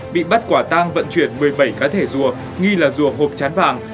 bị bắt quả tang vận chuyển một mươi bảy cá thể rùa nghi là rùa hộp chán vàng